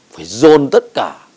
phải dồn tất cả